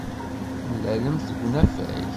Temlalemt deg unafag.